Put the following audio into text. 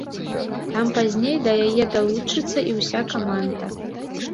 Там пазней да яе далучыцца і ўся каманда.